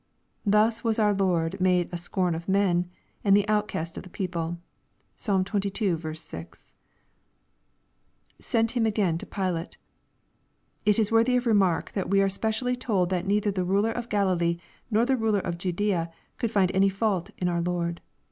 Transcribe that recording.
Thus was our Lord made a scorn of men, and the outcast of the people. (Psalm xxiL 6.) [Sent him a^ain to Pilate,] It is wortliy of remark that we are specially told that neither the ruler of G alilee, nor the ruler of Ju daea, could find any fault in our Lord.